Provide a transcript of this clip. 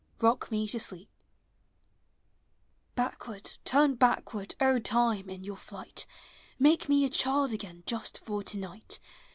ROCK ME TO SLEEP. Hack ward, turn backward, O Time, in your flight, Make me a child again just for tonight!